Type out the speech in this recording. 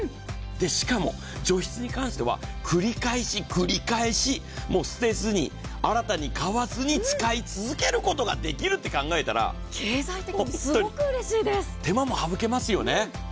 しかも除湿に関しては、繰り返し繰り返し、捨てずに、新たに買わずに使い続けることを考えたら、手間も省けますよね。